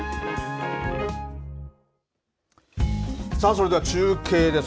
それでは中継です。